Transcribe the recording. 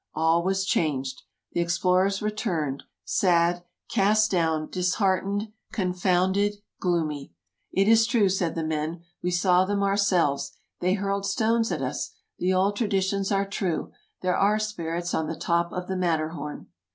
All was changed: the explorers returned sad — cast down — disheartened — con EUROPE 215 founded — gloomy. " It is true," said the men. " We saw them ourselves — they hurled stones at us ! The old tra ditions are true — there are spirits on the top of the Matter horn